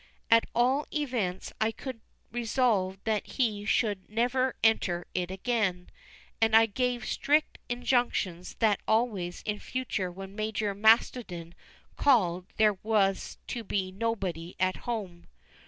At all events I could resolve that he should never enter it again; and I gave strict injunctions that always in future when Major Mastodon called there was to be "nobody at home."